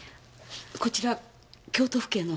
こちら京都府警の。